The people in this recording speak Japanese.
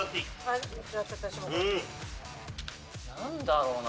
何だろうな？